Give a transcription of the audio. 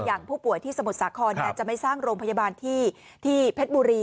อย่างผู้ป่วยที่สมุทรสาครจะไม่สร้างโรงพยาบาลที่เพชรบุรี